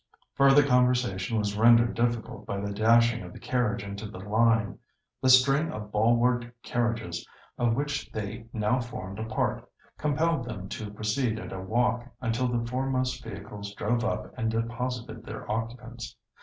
Further conversation was rendered difficult by the dashing of the carriage into the "line." The string of ball ward carriages, of which they now formed a part, compelled them to proceed at a walk until the foremost vehicles drove up and deposited their occupants.